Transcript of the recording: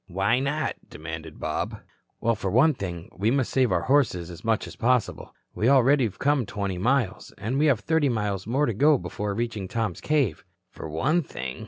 "Why not?" demanded Bob. "Well, for one thing, we must save our horses as much as possible. We already have come twenty miles, and we have thirty miles more to go before reaching Tom's cave." "For one thing?"